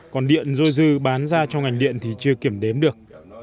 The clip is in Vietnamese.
còn điện dôi dư bán ra cho ngành điện thì chưa kiểm đếm được